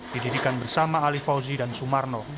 didirikan bersama ali fauzi dan sumarno